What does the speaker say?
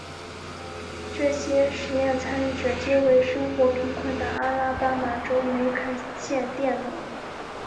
这些实验参与者皆为生活贫困的阿拉巴马州梅肯县佃农。